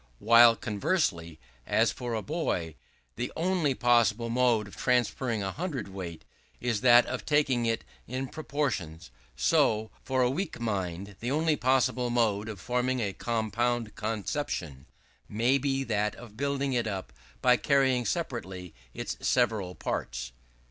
While conversely, as for a boy, the only possible mode of transferring a hundred weight, is that of taking it in portions; so, for a weak mind, the only possible mode of forming a compound conception may be that of building it up by carrying separately its several parts.